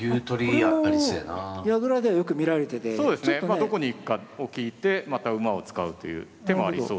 どこに行くかを聞いてまた馬を使うという手もありそうですし。